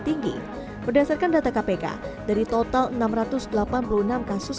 tinggi berdasarkan data kpk dari total enam ratus delapan puluh enam kasus